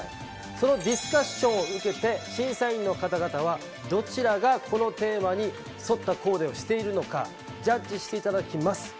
そのディスカッションを受けて審査員の方々はどちらがこのテーマに沿ったコーデをしているのかジャッジして頂きます。